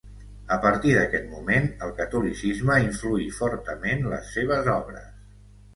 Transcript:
A partir d'aquest moment, el catolicisme influí fortament les seves obres.